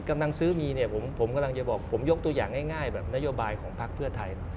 กำลังซื้อมีเนี่ยผมกำลังจะบอกผมยกตัวอย่างง่ายแบบนโยบายของพักเพื่อไทย